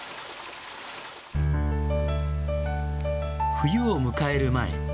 冬を迎える前。